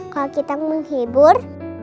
kalau kita menghibur